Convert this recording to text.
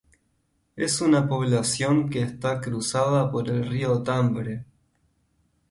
Es una población que está cruzada por el río Tambre.